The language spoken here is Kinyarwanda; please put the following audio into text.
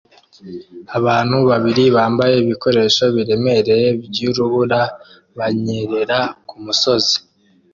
Abantu babiri bambaye ibikoresho biremereye byurubura banyerera kumusozi